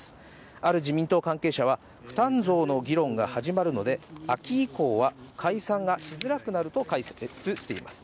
ある自民党関係者は、負担増の議論が始まるので、秋以降は解散がしづらくなると解説しています。